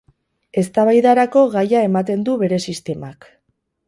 Eztabaidarako gaia ematen du bere sistemak.